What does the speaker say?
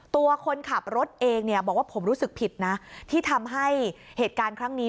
คนขับรถเองเนี่ยบอกว่าผมรู้สึกผิดนะที่ทำให้เหตุการณ์ครั้งนี้